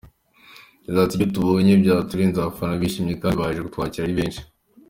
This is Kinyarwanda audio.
Yagize ati “Ibyo tubonye byaturenze, abafana bishimye kandi baje kutwakira ari benshi.